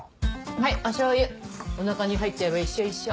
はいお醤油おなかに入っちゃえば一緒一緒。